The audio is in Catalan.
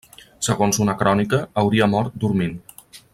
Segons una crònica, hauria mort dormint.